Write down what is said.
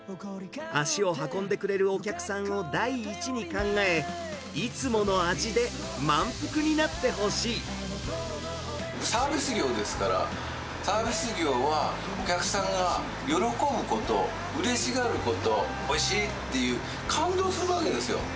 足を運んでくれるお客さんを第一に考え、サービス業ですから、サービス業はお客さんが喜ぶこと、うれしがること、おいしいっていう感動するわけですよ。